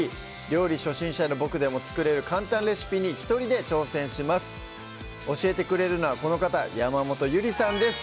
料理初心者のボクでも作れる簡単レシピに一人で挑戦します教えてくれるのはこの方山本ゆりさんです